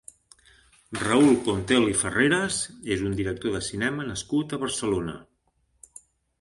Raül Contel i Ferreres és un director de cinema nascut a Barcelona.